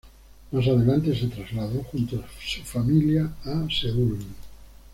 Más adelante, se trasladó junto a su familia a Seúl.